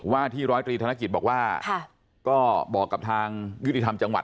ว่าที่ร้อยตรีธนกิจบอกว่าก็บอกกับทางยุติธรรมจังหวัด